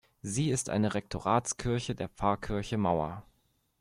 Sie ist eine Rektoratskirche der Pfarrkirche Mauer.